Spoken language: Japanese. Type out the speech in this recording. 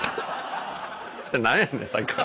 何やねんさっきから。